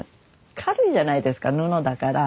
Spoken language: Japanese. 軽いじゃないですか布だから。